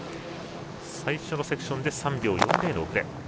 最初のセクションで３秒４０の遅れ。